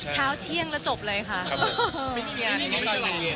เช้าเที่ยงแล้วจบเลยค่ะ